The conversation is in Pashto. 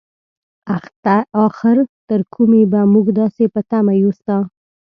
اخر تر کومې به مونږ داسې په تمه يو ستا؟